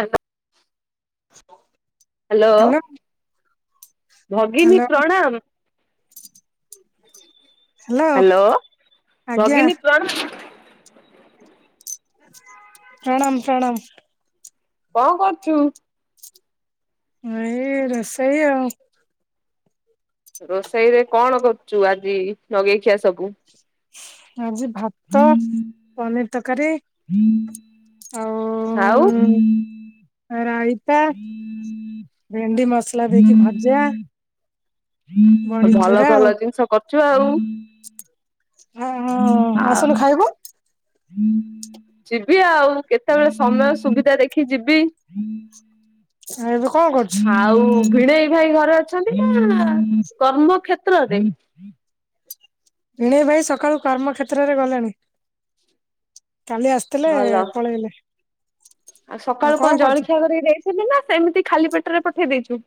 Hello. Hello hello ଭଗିିନୀ ପ୍ରଣାମ। Hello ଆଜ୍ଞା। ଭଗିନୀ ପ୍ରଣାମ ପ୍ରଣାମ ପ୍ରଣାମ। ଙ୍କ କରୁଚୁ? ଏଇ ରେଷେଇ ଆଉ। ରୋଷେଇରେ କଣ କରୁଚୁ ଆଜି ନଗେଇଖିଆ ସବୁ ଆଜି ଭାତ ପନିର ତରକାରୀ ଆଉ ରାଇତା ଭେଣ୍ଡି ମସଲା ଦେଇକି ଭଜା। ଭଲ ଭଲ ଜିନିଷ କରିଚୁ ଆଉ। ହ ହଁ ଆଉ ଆସୁନୁ ଖାଇବୁ। ଯିବି ଆଉ କେତେବେଳେ ସମୟ ସୁବିଧା ଦେଖି ଯିବି। ଆଉ ଏବେ କଣ କରୁଚୁ? ଆଉ ଭିଣେଇ ଭାଇ ଘରେ ଅଛନ୍ତି ନା କର୍ମ କ୍ଷେତ୍ରରେ ଭିଣେଇ ଭାଇ ସକାଳୁ କର୍ମ କ୍ଷେତ୍ରରେ ଗଲେଣି କାଲି ଆସ ଭଲ ଆଉ ସକାଳୁ କଣ ଜଳଖିଆ କରି ଦେଇ ଥିଲୁ ନା ସେମିତି ଖାଲି ପେଟରେ ପଠେଇ ଦେଇଚୁ?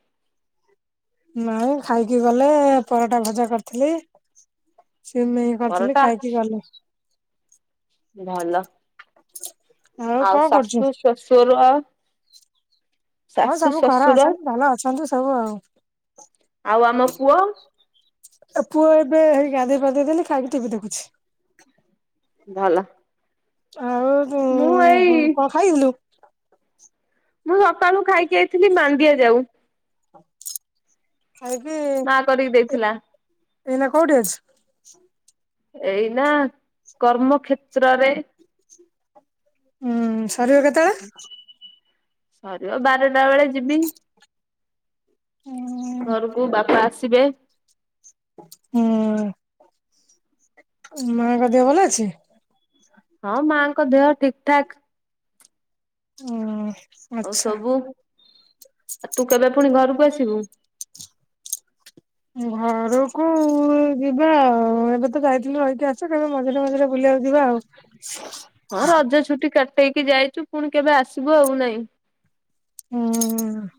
ନାଇଁ ଖାଇକି ଗଲେ ପରଟା ଭଜା କରିଥିଲି ସିମେଇ କରିଥିଲି ପରଟା ଖାଇକି ଗଲେ। ଭଲ ଆଉ କଣ କରୁଛୁ ଶାଶୁ ଶ୍ୱଶୁର ହଁ ଶାଶୁ ସବୁ ଘର ଶ୍ୱଶୁର ଅଛନ୍ତି ଭଲ ଅଛନ୍ତି ସବୁ ଆଉ। ଆଉ ଆମ ପୁଅ ତା ପୁଅ ଏବେ ହେଇ ଗାଧେଇ ପାଧେଇ ଦେଲି ଖାଇକି ଟିଭି ଦେଖୁଛି। ଭଲ। ଆଉ ମୁଁ ଏଇ ଖାଇବୁନୁ ମୁଁ ସକାଳୁ ଖାଇକି ଆଇଥିଲି ମାଣ୍ଡିଆ ଯାଉ। ଖାଇକି ମା କରିକି ଦେଇଥିଲା। ଏଇନା କୋଉଠି ଅଛୁ? ଏଇନା କର୍ମ କ୍ଷେତ୍ରରେ। ଉଁ ସରିବ କେତ୍ ସରିବ ବାରଟା ବେଳେ ଯିବି। ଘରକୁ ବାପା ଆସିବେ। ହୁଁ ମା ଙ୍କ ଦେହ ଭଲ ଅଛି? ହଁ ମା ଙ୍କ ଦେହ ଠିକ ଠାକ୍। ଅ ଆଉ ସବୁ ଆଉ ଆ ତୁ କେବେ ପୁଣି ଘରକୁ ଆସିବୁ? ଘରୁକୁ ଯିବା ଆଉ ଏବେ ତ ଯାଇଥିଲି ରହିକି ଆସିଚି କେବେ ମଝିରେ ମଝିରେ ବୁଲିବାକୁ ଯିବା ଆଉ। ହଁ ରଜ ଛୁଟି କାଟେଇକି ଯାଇଚୁ ପୁଣି କେବେ ଆସିବୁ ଆଉ ନାଇଁ। ହୁଁ।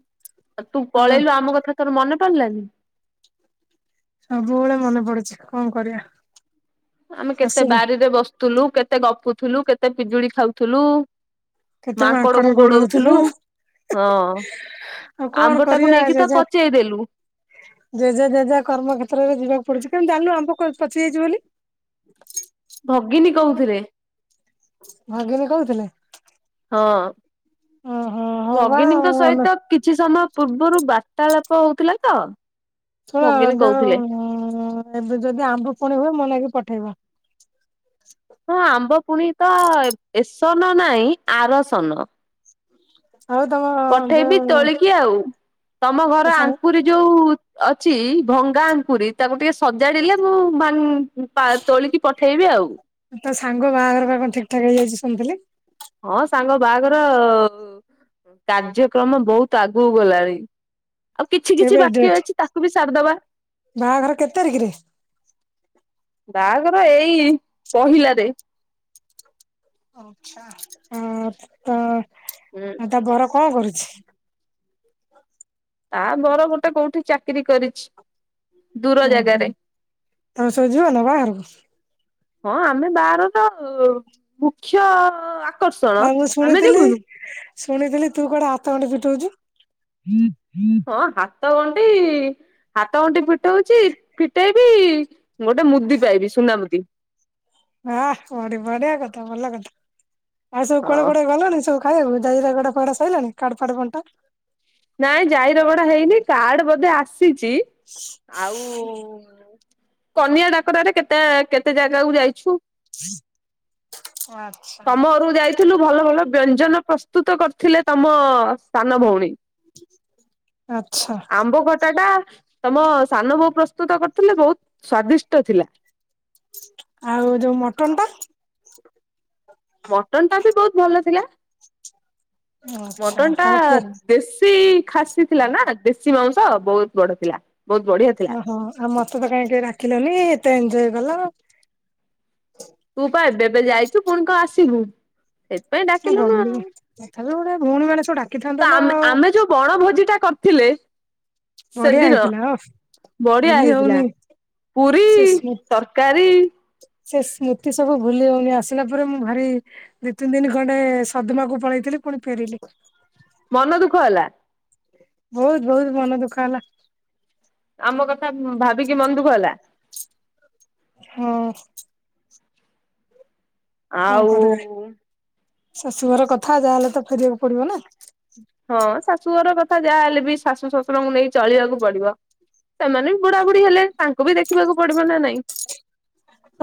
ଆଉ ତୁ ପଳେଇଲୁ ଆମ କଥା ତୋର ମନେ ପଡିଲାନି? ସବୁବେଳେ ମନେ ପଡୁଛି କଣ କରିବା? ଆମେ କେତେ ଶାଶୁଘ ବାରିରେ ବସୁଥିଲୁ କେତେ ଗପୁଥିଲୁ କେତେ ପିଜୁଳି ଖାଉଥିଲୁ ମାଙ୍କଡ କ ଗୋଡଉଥିଲୁ ହଁ। ଆଉ କଣ ଆମ୍ବ ଟାକୁ କରିବା ନେଇକି ତ ଜେଜେ ପଚେଇଦେଲୁ ଜେଜେ ଜେଜା କର୍ମ କତ୍ରାରେ ଯିବାକୁ ପଡୁଛି କେମୁ ଜାଣୁ ଆମ୍ବ ପାଚିଯାଇଛି ବୋଲି? ଭଗିନୀ କୋଉଥିରେ ଭାଗିନୀ କହୁଥିଲେ? ହଁ ଓହୋ ହଉ ବା ଭଗିନୀଙ୍କ ଆଉ ସହିତ କିଛି ସମୟ ପୂର୍ବରୁ ବାର୍ତ୍ତାଳାପ ହଉଥିଲା ତ ଶୁଣ ଭଗିନୀ କହୁଥିଲେ ଯୋଉ ଏବେ ଯଦି ଆମ୍ବ ପୁଣି ହୁଏ ମନେକି ପଠେଇବ। ହଁ ଆମ୍ବ ପୁଣି ତ ଏ ଏସନ ନାହିଁ ଆରସନ। ଆଉ ତମ ପଠେଇବି ଯୋଉ ତୋଳିକି ଆଉ ତମ ତୋ ଘର ସାଙ୍ଗ ଆଙ୍କୁରି ଯୋଉ ଅଛି ଭଙ୍ଗା ଆଙ୍କୁରି ତାକୁ ଟିକେ ସଜାଡ଼ିଲେ ମୁଁ ତୋଳିକି ପଠେଇବି ଆଉ। ତା ସାଙ୍ଗ ବାହାଘର ବା କଣ ଠିକ ଠାକ ହେଇଯାଇଛି ଶୁଣିଥିଲି। ହଁ ସାଙ୍ଗ ବାହାଘର କାର୍ଯ୍ୟକ୍ରମ ବହୁତ ଆଗକୁ ଗଲାଣି ଆଉ କିଛି କିଛି କେବେ ବାକ୍ୟ ଡେଟ ଅଛି ତାକୁ ବି ସାରିଦବା। ବାହାଘର କେତେ ତାରିଖରେ? ବାହାଘର ଏଇ ପହିଲାରେ ଆ ତ ହୁଁ। ଆ ତା ବର କଣ କରୁଛି? ତା ବର ଗୋଟେ କୋଉଠି ଚା କିରି କରିଛି ଦୂର ଓହୋ ଜାଗାରେ। ତମେ ସବୁ ଯିବ ନା ବାହାଘରକୁ ହଁ ଆମେ ବାହାର ତ ମୁଖ୍ୟ ଆକର୍ଷଣ ଆଉ ମୁଁ ଆମେ ଶୁଣିଥିଲି ଯିବୁନୁ। ଶୁଣିଥିଲି ତୁ କୁଆଡ଼େ ହାତ ଗଣ୍ଠି ଫିଟଉଛୁ? ହଁ ହାତ ଗଣ୍ଡି ହାତ ଗଣ୍ଠି ଫିଟଉଛି ଫିଟେଇବି ଗୋଟେ ମୁଦି ପାଇବି ସୁନା ମୁୁଦି। ହ ବଢିଆ କଥା ବଲାଗତ ଆଉ ସ କ ହଁ କୋଡ ଅଲଣିି ସବୁ। [unintelligible] ଡା ସାଇିଲଣି କାଡ ଫାଡ ବଣ୍ଟା? ନାଇଁ ଯାଇ ରଗଡା ହେଇନି କାର୍ଡ ବୋଧେ ଆସିଛି। ଆଉ କନିଆ ଡାକରାରେ କେତେ କେତେ ଜାଗାକୁ ଯାଇଛୁ? ଆଚ୍ଛା। ତମ ଘରକୁ ଯାଇ ଥିଲୁ ଭଲ ଭଲ ବ୍ୟଞ୍ଜନ ପ୍ରସ୍ତୁତ କରିଥିଲେ ତମ ସାନ ଭଉଣୀ। ଆଚ୍ଛା। ଆମ୍ବ ଖଟା ଟା ତମ ସାନ ବୋଉ ପ୍ରସ୍ତୁତ କରିଥିଲେ ବହୁତ ସ୍ଵାଦିଷ୍ଟ ଥିଲା। ଆଉ ଯୋଉ ମଟନ ଟା ମଟନ୍ ଟା ବି ବହୁତ ଭଲ ଥିଲା। ଆଚ୍ଛା ମଟନ ଟା ତାହେଲେ ଖି ଦେଶୀ ଖାସି ଥିଲା ନା ଦେଶୀ ମାଉଁସ ବହୁତ ବଡ ଥିଲା। ବହୁତ ବଢିଆ ଥିଲା ଓହୋ ଆଉ ମତେ ତ କାହିଁ ଡ଼ାକିଲନି ଏତେ ଏଞ୍ଜୟ କଲ। ତୁ ପା ଏବେ ଏବେ ଯାଇଛୁ ପୁଣି କଣ ଆସିବୁ? ସେଥିପାଇଁ ମୁଁ ଡାକିଲୁନୁ ଗଲି ଆଉ। ତଥାପି ଗୋଟେ ଭଉଣୀ ମାନେ ସବୁ ତ ଡାକିଥାନ୍ତ ନା ଆମେ ଆଉ ଆମେ ଯୋଉ ବଣ ଭୋଜି ଟା କରିଥିଲେ ବଢିଆ ସେଦିନ ହେଇଥିଲା ଓଃ ବଢିଆ ଭୁଲି ହେଇଥିଲା। ହଉନି। ପୁରୀ ସେ ସ୍ମୃତି ତରକାରୀ ସେ ସ୍ମୃତି ସବୁ ଭୁଲି ହଉନି ଆସିଲା ପରେ ମୁଁ ଭାରି ଦିଇ ତିନି ଦିନ ଖଣ୍ଡେ ସଦମାକୁ ପଳେଇଥିଲି ପୁଣି ଫେରିଲି ମନ ଦୁଃଖ ହେଲା? ବହୁତ ବହୁତ ମନ ଦୁଃଖ ହେଲା। ଆମ କଥା ଭାବିକି ମନ ଦୁଃଖ ହେଲା। ହଁ। କଣ ଆଉ କରିବା ଶାଶୁଘର କଥା ଯାହାହେଲେ ତ ଫେରିବାକୁ ପଡିବ ନା। ହଁ ଶାଶୁ ଘର କଥା ଯାହାହେଲେ ବି ଶାଶୁ ଶଶୁରଙ୍କୁ ନେଇ ଚଳିବାକୁ ପଡିବ। ସେମାନେ ବୁଢାବୁଢ଼ୀ ହେଲେଣି ତାଙ୍କୁ ବି ଦେଖିବାକୁ ପଡିବ ନା ନାଇଁ।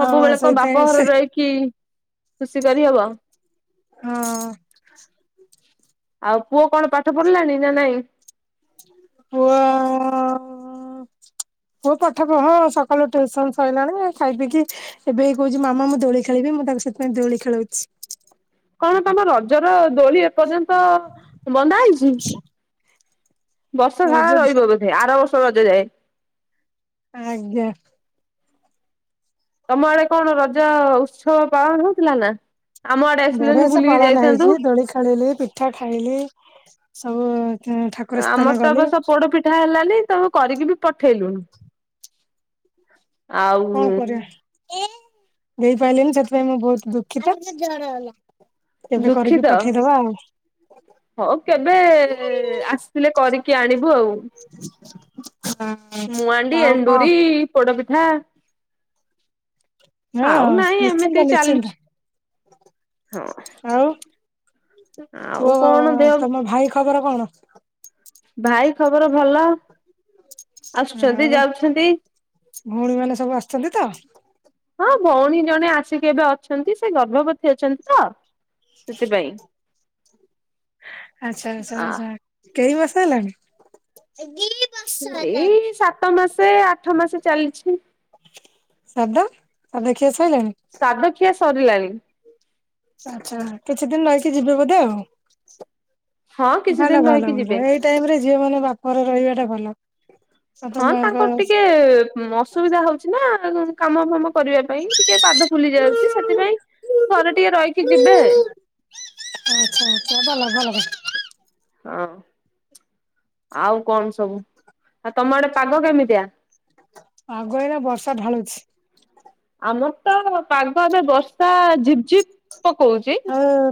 ହଁ କଣ ବାପ ସେଇଥିପାଇଁ ସେ ଘର ରହିକି ଖୁସି କରି ହବ। ହଁ। ଆଉ ପୁଅ କଣ ପାଠ ପଢ଼ିଲାଣି ନା ନାଇଁ? ପୁଅ ଆଉ ପୁଅ ପାଠ ହଁ ସକାଳୁ ଟିୟୁସନ୍ ସଇଲାଣି ଖାଇ ପିଇ କି ଏବେ ବି କହୁଛି ମାମା ମୁଁ ଦୋଳି ଖେଳିବି ମୁଁ ତାକୁ ସେଥିପାଇଁ ଦୋଳି ଖେଳଉଚି। କଣ ତମ ରଜର ଦୋଳି ଏପର୍ଯ୍ୟନ୍ତ ବନ୍ଧା ହେଇଚି? ବର୍ଷ ସାରା ରହିବ ବୋଧେ ଆର ବର୍ଷ ରଜ ଯାଏଁ। ଆଜ୍ଞା। ତମ ଆଡେ କଣ ରଜ ଉତ୍ସବ ପାଳନ ହୋଉଥିଲା ନା? ଆମ ଆଡେ ବଢିଆ ଆସିଲନି ସେ ବୁଲିକି ପାଳନ ଯାଇଥାନ୍ତୁ ହେଇଛି ଦୋଳି ଖେଳିଲୁ ପିଠା ଖାଇଲି ସବୁ। ଠାକୁର ସ୍ଥାନ ଆମର ତ ଏ ଗଲି ବର୍ଷ ପୋଡ ପିଠା ହେଲାନି ତମେ କରିକି ବି ପଠେଇଲୁନି। ଆଉ କଣ କରିବା ଦେଇପାଇଲିନି ସେଥିପାଇଁ ମୁଁ ବହୁତ ଦୁଃଖିତ। କେବେ କରିକି ପଠେଇଦବା ଆଉ। ହୋଉ କେବେ ଆସିଥିଲେ କରିକି ଆଣିବୁ ଆଉ। ମୁଆଣ୍ଡି ଆଉ କଣ ଏଣ୍ଡୁରି ପୋଡପିଠା। ହଁ ଆଉ ନାଇଁ ନିଶ୍ଚିନ୍ତ ଏମିତି ନିଶ୍ଚିନ୍ତ ଚାଲୁଚି। ଆଉ ହଁ ପୁଅ ଆଉ କଣ ଦ ତମ ଭାଇ ଖବର କଣ? ଭାଇ ଖବର ଭଲ। ଆସୁଛନ୍ତି ଆଉ ଯାଉଛନ୍ତି। ଭଉଣୀ ମାନେ ସବୁ ଆସିଛନ୍ତି ତ? ହଁ ଭଉଣୀ ଜଣେ ଆସିକି ଏବେ ଅଛନ୍ତି ସେ ଗର୍ଭବତୀ ଅଛନ୍ତି ତ ସେଥିପାଇଁ। ଆଚ୍ଛା ଆଚ୍ଛା ଆ ଆଚ୍ଛା କେଇ ମାସେ ହେଲାଣି? ଏଇ ସାତ ମାସେ ଆଠ ମାସ ଚାଲିଚି। ସାଦ ସାଦ ଖିଆ ସଇଲାଣି? ସାଦଖିଆ ସରିଲାଣି। ଆଚ୍ଛା କିଛି ଦିନ ରହିକି ଯିବେ ବୋଧେ ଆଉ। ହଁ କିଛି ଭଲ ଦିନ ଭଲ ରହିକି ଯିବେ। ଭଲ ଏଇ ଟାଇମ୍ ରେ ଝିଅ ମାନେ ବାପଘରେ ରହିବା ଟା ଭଲ। ବାପା ହଁ ମାଙ୍କ ତାଙ୍କର ଟିକେ ଅସୁବିଧା ହୋଉଚି ନା ଆଉ। କାମ ଫାମ କରିବା ପାଇଁ ଟିକେ ପାଦ ଫୁଲି ଯାଉଛି ସେଥିପାଇଁ ଘରେ ଟିକେ ରହିକି ଯିବେ। ଆଚ୍ଛା ଆଚ୍ଛା ଭଲ ଭଲ। ହଁ ଆଉ କଣ ସବୁ? ଆଉ ତମ ଆଡେ ପାଗ କେମିତିଆ? ଆଗ ଏଇନା ବର୍ଷା ଢାଳୁଛି। ଆମର ତ ପାଗ ଏବେ ବର୍ଷା ଝିପଝିପ୍ ପକୋଉଚି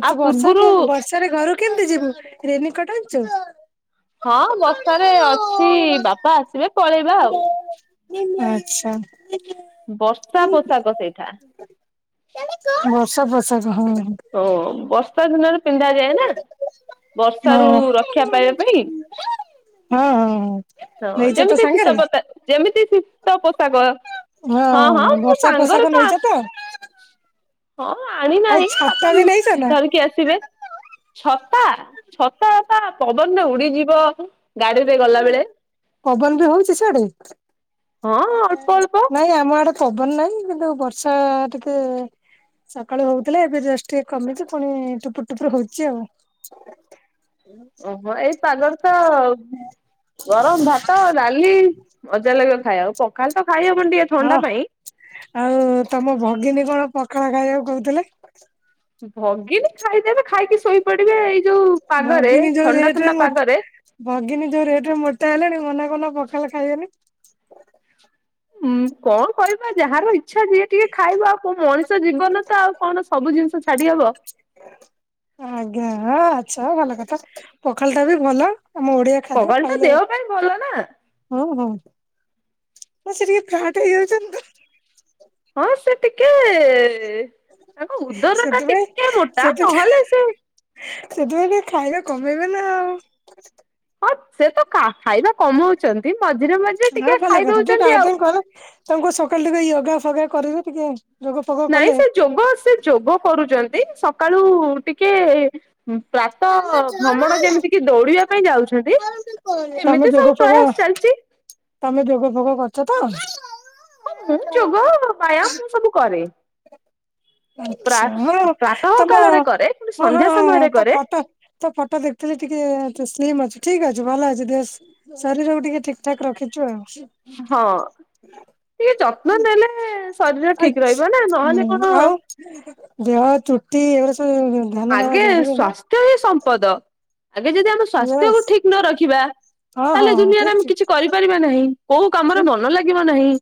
ଆ ପୂର୍ବରୁ ର୍ଷା ରେ ଘର କୁ କେମିତି ଯିବୁ ରେନିକୋଟ୍ ଆଣିଚ? ହଁ ବର୍ଷାରେ ଅଛି ବାପା ଆସିବେ ପଳେଇବା ଆଉ। ଆଚ୍ଛା। ବର୍ଷା ପୋଷାକ ସେଇଟା। ବର୍ଷା ପୋଷାକ ହଁ ହଁ। ହଁ ବସ୍ ବର୍ଷା ଦିନରେ ପିନ୍ଧାଯାଏ ନା ବର୍ଷାରୁ ହଁ। ରକ୍ଷା ପାଇବା ପାଇଁ। ହଁ ହଁ ହଁ ନେଇଛ ତ ଯେମିତି ସାଙ୍ଗରେ? ଶୀତ ପତା ଯେମିତି ଶୀତ ପୋଷାକ। ହଁ ହଁ ମୋ ବର୍ଷା ପୋଷାକ ସାଙ୍ଗରେ ତ ନେଇଛ ଆସ ହଁ ଆଣିି ଆଉ ଛାତ ଉଁ ବି ନେଇଛ ନା ଧରିକି ଆସିବେ ଛତା ଛତା ତା ପବନରେ ଉଡିଯିବ ଗାଡିରେ ଗଲା ବେଳେ। ପବନ ବି ହଉଚି ସିଆଡୁ ହଁ ଅଳ୍ପ ଅଳ୍ପ ନାଇଁ ଆମ ଆଡେ ପବନ ନାହିଁ କିନ୍ତୁ ବର୍ଷା ଟିକେ ସକାଳୁ ହଉଥିଲା ଏବେ ଜଷ୍ଟ ଟିକେ କମିଚି ପୁଣି ଟୁପୁର ଟୁପରୁ ହଉଚି ଆଉ। ହୁଁ ଓହୋ ଏଇ ପାଗରେ ତ ଗରମ ଭାତ ଡାଲି ମଜା ଲାଗିବ ଖାଇବା କୁ ପଖାଳ ତ ଖାଇହବନି ଟିକେ ହଁ ଥଣ୍ଡା ପାଇଁ। ଆଉ ତମ ଭଗିନୀ କଣ ପଖାଳ ଖାଇବାକୁ କହୁଥିଲେ। ଭଗିନୀ ଖାଇଦେବେ ଖାଇକି ଶୋଇପଡିବେ ଏଇ ଯୋଉ ପାଗରେ ଭଗିନୀ ଯୋଉ ଥଣ୍ଡା ରେଟରେ ଥଣ୍ଡା ମୋଟ ପାଗରେ। ଭଗିନୀ ଯୋଉ ରେଟ ରେ ମୋଟା ହେଲାଣି ମନା କରୁନ ପଖାଳ ଖାଇବେନି। ଉଁ କଣ କହିବା ଯାହାର ଇଛା ଯିଏ ଟିକେ ଖାଇବ ଆଉ କଉ ମଣିଷ ଜୀବନ ତ ଆଉ କଣ ସବୁ ଜିନିଷ ଛାଡି ହବ ଆଜ୍ଞା ଆଚ୍ଛା ଭଲ କଥା ପଖାଳ ଟା ବି ଭଲ ଆମ ଓଡିଆ ଖାଦ୍ୟ ପଖାଳ ଟା ଖାଇଲେ ଦେହ ପାଇଁ ଭଲ ନା। ହଁ ହଁ ଆ ସେ ଟିକେ ଫ୍ୟାଟ ହେଇଯାଉଚନ୍ତି ତ। ହଁ ସେ ଟିକେ ତାଙ୍କ ଉଦର ଟା ସେଥିପାଇଁ ଟିକେ ମୋଟା ସେଥିପାଇଁ ନହେଲେ ସେ ସେଥିପାଇଁ ଟିକେ ଖାଇବା କମେଇବେ ନା ଆଉ। ହଁ ସେ ତ ଖା ଖାଇବା କମାଉଚନ୍ତି ମଝିରେ ମଝିରେ ଟିକେ ଭଲ କଥା ଟିକେ ଖାଇଦଉଚନ୍ତି ଆଉ। ଡାଏଟିଂ ହଁ ତାଙ୍କୁ କୁହ ସକାଳୁ ଟିକେ ୟୋଗା ଫୋଗା କରିବେ ଟିକେ। ଯୋଗ ଫୋଗ ନାଇଁ କଲେ ସେ ଯୋଗ ସେ ଯୋଗ କରୁଚନ୍ତି ସକାଳୁ ଟିକେ ପ୍ରାତ ଭ୍ରମଣ ଯେମିତି କି ଦୌଡିବା ପାଇଁ ଯାଉଛନ୍ତି। ତମେ ଏମିତି ସବୁ ଯୋଗ ଫୋଗ ପ୍ରୟାସ ଚାଲଚି। ତମେ ଯୋଗ ଫୋଗ କରୁଚ ତ। ହଁ ମୁଁ ଯୋଗ ବାୟାମ ମୁଁ ସବୁ କରେ। ପ୍ରା ଆଚ୍ଛା ହଁ ପ୍ରାତଃ ତମ କାଳରେ କରେ କିନ୍ତୁ ସନ୍ଧ୍ୟା ସମୟରେ କରେ। ତ ଫଟୋ ଦେଖୁଥିଲି ଟିକେ ସ୍ଲିମ୍ ଅଛି ଠିକ ଅଛି ଭଲ ଅଛି ଦେ ଶରୀର କୁ ଟିକେ ଠିକ ଠାକ ରଖିଚୁ ଆଉ। ହଁ ଟିକେ ଯତ୍ନ ନେଲେ ଶରୀର ଠିକ ଆଛ୍ ରହିବ ନା ନହଲେ ହୁଁ କଣ ଆଉ ଦେହ ଚୁଟି ଏଗୁଡା ସବୁ ଧ୍ୟାନ ନେବା ଆଗେ ଜରୁରୀ ନା। ସ୍ଵାସ୍ଥ୍ୟ ହିଁ ସମ୍ପଦ। ଆଗେ ଯଦି ଆମ ୟେସ୍ ସ୍ୱାସ୍ଥ୍ୟକୁୁ ଠିକ ନ ରଖିବା ହଁ ହଁ ତାହେଲେ ହଁ ଦୁନିଆରେ ଠିକ୍ ଆମେ ଠିକ୍ କିଛି କରିପାରିବା ନାହିଁ। କୋଉ କାମରେ ମନ ଲାଗିବ ନାହିଁ।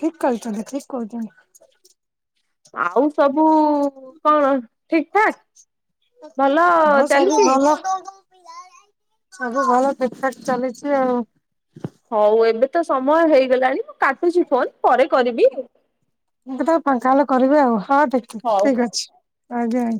ଠିକ କହିଚନ୍ତି ଠିକ କରୁଚନ୍ତି। ଆଉ ସବୁ କଣ ଠିକ ଠାକ। ଭଲ ହଁ ସବୁ ଚାଲିଚି। ଭଲ ସବୁ ଭଲ ଠିକଠାକ ଚାଲିଚି ଆଉ। ହଉ ଏବେ ତ ସମୟ ହେଇଗଲାଣି ମୁଁ କାଟୁଚି ଫୋନ ପରେ କରିବି। ମୁଁ କେତବେଳେ ଫାଙ୍କା ହେଲେ କରିବି ଆଉ ହଁ ଠିକ ଠିକ ହଉ ହଉ ଠିକ ଅଛି ଆଜ୍ଞା ଆ